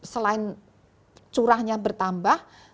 selain curahnya bertambah